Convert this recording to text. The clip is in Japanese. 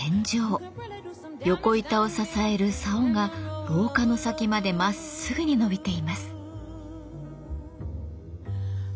横板を支える竿が廊下の先までまっすぐに伸びています。